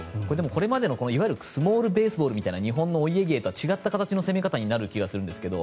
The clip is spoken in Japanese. これまでのスモールベースボールみたいな日本のお家芸とは違う戦い方になると思うんですけど。